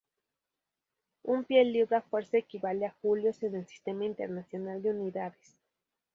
Un pie-libra fuerza equivale a julios en el Sistema Internacional de Unidades.